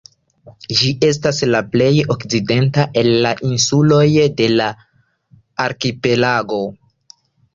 Ĝi estas la plej okcidenta el la insuloj de la arkipelago.